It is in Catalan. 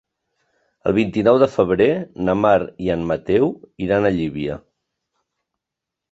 El vint-i-nou de febrer na Mar i en Mateu iran a Llívia.